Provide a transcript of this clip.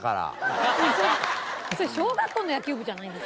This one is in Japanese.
それ小学校の野球部じゃないんですか？